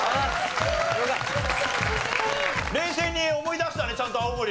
冷静に思い出したねちゃんと青森。